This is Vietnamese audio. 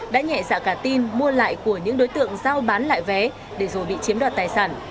đã nhẹ dạ cả tin mua lại của những đối tượng giao bán lại vé để rồi bị chiếm đoạt tài sản